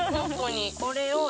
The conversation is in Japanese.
これを。え！